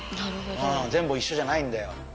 全部いっしょじゃないんだよ。